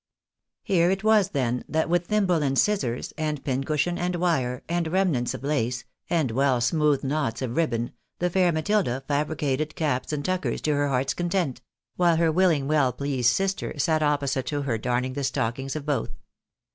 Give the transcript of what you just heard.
Here it was then, that with thimble and scissors, and piincushion and wire, and remnants of lace, and well smoothed knots of ribbon, the fair Matilda fabricated caps and tuckers to her heart's content ; while her willing well pleased sister, sat opposite to her darning the stockings of both.